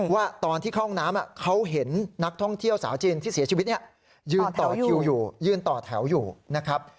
ว่าตอนที่เข้าห้องน้ำเขาเห็นนักท่องเที่ยวสาวจีนที่เสียชีวิตเนี่ยยืนต่อคิวอยู่ยืนต่อแถวอยู่นะครับ